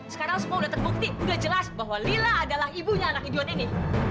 sekarang semua udah terbukti udah jelas bahwa lila adalah ibunya anak idiot ini